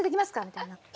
みたいな。